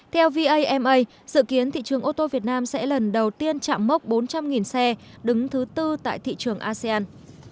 theo vama dự kiến thị trường ô tô việt nam sẽ lần đầu tiên chạm mốc bốn trăm linh xe đứng thứ tư tại thị trường asean